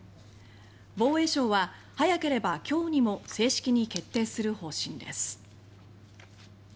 防衛省は早ければ今日にも正式に決定する方針です。